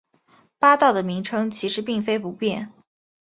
八道的名称其实并非不变。